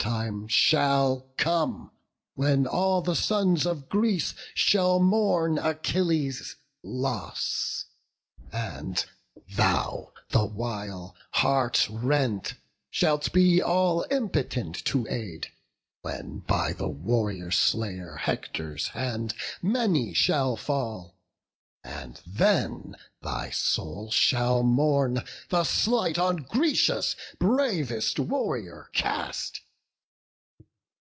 The time shall come, when all the sons of Greece Shall mourn Achilles' loss; and thou the while, Heart rent, shalt be all impotent to aid, When by the warrior slayer Hector's hand Many shall fall; and then thy soul shall mourn The slight on Grecia's bravest warrior cast."